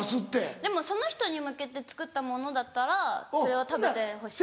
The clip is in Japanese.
でもその人に向けて作ったものだったらそれは食べてほしい。